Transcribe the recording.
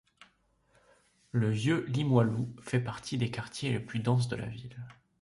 Le Vieux-Limoilou fait partie des quartiers les plus denses de la ville.